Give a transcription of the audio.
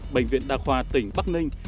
bệnh viện đa khoa tỉnh bắc ninh